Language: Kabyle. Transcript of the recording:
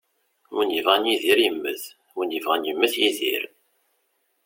Win yebɣan yidir yemmet, win yebɣan yemmet yidir.